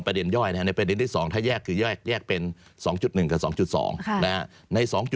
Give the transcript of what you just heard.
๒ประเด็นย่อยในประเด็นที่๒ถ้าแยกคือย่างแยกเป็น